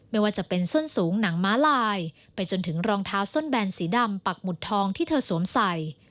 ไม่ว่าจะเป็นส้นสูงหนังม้าลายไปจนถึงรองเท้าส้นแบนสีดำปักหมุดทองที่เธอสวมใส่